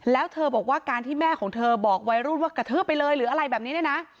แล้วเธอบอกว่าการที่แม่ของเธอบอกวัยรุ่นว่ากระทืบไปเลยหรืออะไรแบบนี้เนี่ยนะ